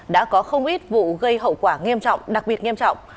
đã có không ít vụ gây hậu quả nghiêm trọng đặc biệt nghiêm trọng